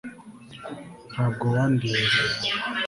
ntabwo wandinze